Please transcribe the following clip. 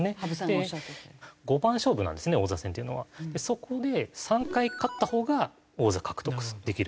そこで３回勝ったほうが王座獲得できると。